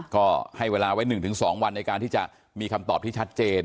ก็ให้เวลาไว้หนึ่งถึงสองวันในการที่จะมีคำตอบที่ชัดเจน